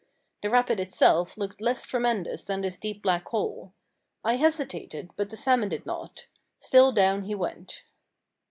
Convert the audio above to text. The rapid itself looked less tremendous than this deep black hole. I hesitated, but the salmon did not. Still down he went.